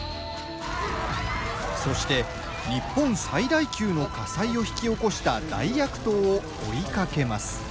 そして、日本最大級の火災を引き起こした大悪党を追いかけます。